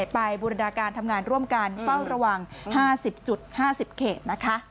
บูรณาการทำงานร่วมกันเฝ้าระวัง๕๐๕๐เขตนะคะ